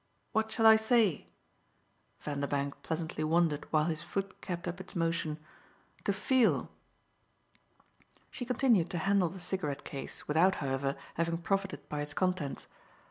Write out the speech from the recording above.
What shall I say?" Vanderbank pleasantly wondered while his foot kept up its motion. "To feel." She continued to handle the cigarette case, without, however, having profited by its contents.